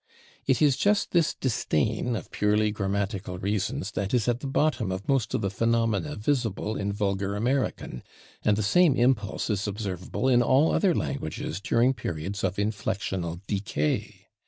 It is just this disdain of purely grammatical reasons that is at the bottom of most of the phenomena visible in vulgar American, and the same impulse is observable in all other languages during periods of inflectional decay.